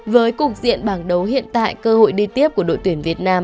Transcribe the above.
với cục diện bảng đấu hiện tại cơ hội đi tiếp của đội tuyển việt nam